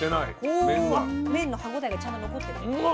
麺の歯応えがちゃんと残ってるんだ。